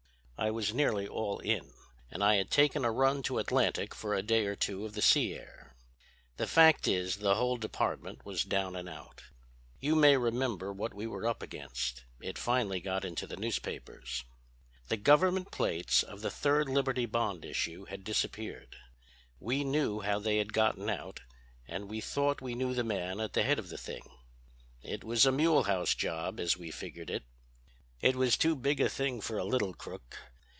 I was nearly all in, and I had taken a run to Atlantic for a day or two of the sea air. The fact is the whole department was down and out. You may remember what we were up against; it finally got into the newspapers. "The government plates of the Third Liberty Bond issue had disappeared. We knew how they had gotten out, and we thought we knew the man at the head of the thing. It was a Mulehaus job, as we figured it. "It was too big a thing for a little crook.